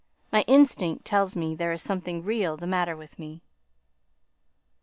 My instinct tells me there is something really the matter with me."